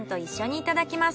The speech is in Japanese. いただきます！